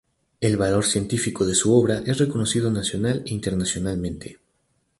El valor científico de su obra es reconocido nacional e internacionalmente.